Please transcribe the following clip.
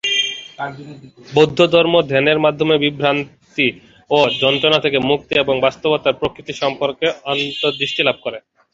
বৌদ্ধধর্ম ধ্যানের মাধ্যমে বিভ্রান্তি এবং যন্ত্রণা থেকে মুক্তি এবং বাস্তবতার প্রকৃতি সম্পর্কে অন্তর্দৃষ্টি লাভ করে।